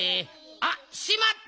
あっしまった！